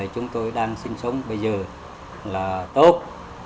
chúng tôi đang sinh sống bây giờ là tốt